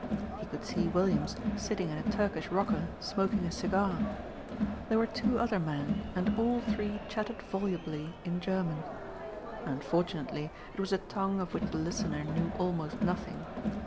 He could see Williams sitting in a Turkish rocker smoking a cigar. There were two other men and all three chattered volubly in German. Unfortunately it was a tongue of which the listener knew almost nothing.